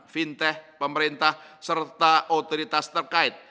fintech pemerintah serta otoritas terkait